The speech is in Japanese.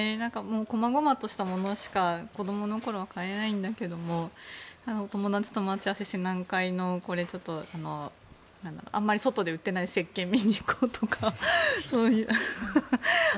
こまごまとしたものしか子どもの頃は買えないんだけれども友達と待ち合わせして何階のこれあまり外で売ってないせっけんを見に行こうとか。